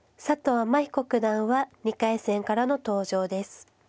天彦九段は２回戦からの登場です。